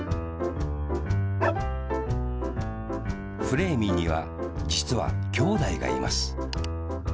フレーミーにはじつはきょうだいがいます。